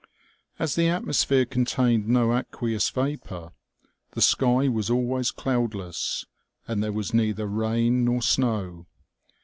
As the atmosphere contained no aqueous vapor, the sky was always cloudless, and there was neither rain nor snow.